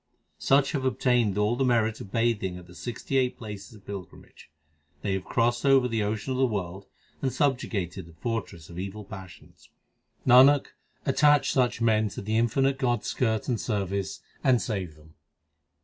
Such have obtained all the merit of bathing at the sixty eight places of pilgrimage : They have crossed over the ocean of the world and sub jugated the fortress of evil passions. Nanak, such attach men to the infinite God s skirt and service, and save them.